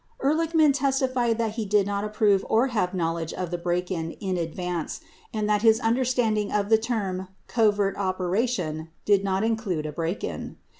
77 Ehrlichman testified that he did not approve or have knowledge of the break in in advance and that his understanding of the term "covert operation" did not include a break in.